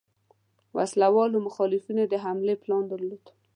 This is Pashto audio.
وسله والو مخالفینو د حملې پلان درلود.